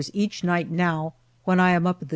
each night now, when I am up at the C.